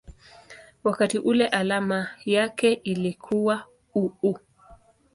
wakati ule alama yake ilikuwa µµ.